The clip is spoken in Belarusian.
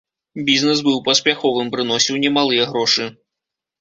Бізнэс быў паспяховым, прыносіў немалыя грошы.